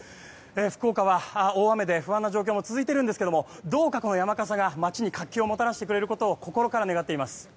福岡は大雨で不安な状況も続いているんですが、この山笠が街に活気をもたらしてくれること祈っています。